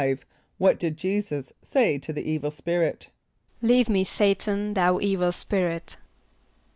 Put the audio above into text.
= What did J[=e]´[s+]us say to the evil spirit? ="Leave me, S[=a]´tan, thou evil spirit."